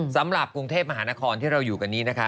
สำหรับกรุงเทพมหานครที่เราอยู่กันนี้นะคะ